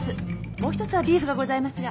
もう一つはビーフがございますが。